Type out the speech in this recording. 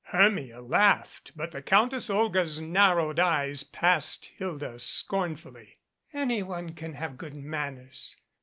Hermia laughed but the Countess Olga's narrowed eyes passed Hilda scornfully. "Any one can have good manners.